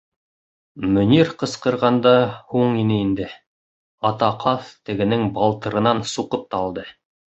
Мөнир ҡысҡырғанда һуң ине инде, ата ҡаҙ тегенең балтырынан суҡып та алды.